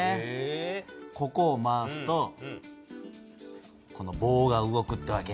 ここを回すとこの棒が動くってわけ。